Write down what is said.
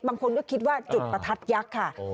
บางคนก็คิดว่าจุดประทัดยักษ์ค่ะ